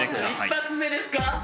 １発目ですか？